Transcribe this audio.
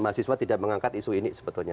mahasiswa tidak mengangkat isu ini sebetulnya